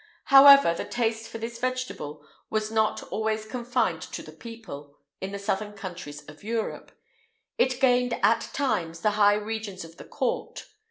[IX 188] However, the taste for this vegetable was not always confined to the people, in the southern countries of Europe; it gained, at times, the high regions of the court.